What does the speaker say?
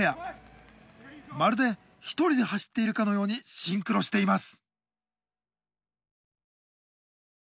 まるで１人で走っているかのようにシンクロしています。